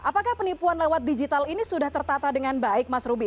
apakah penipuan lewat digital ini sudah tertata dengan baik mas ruby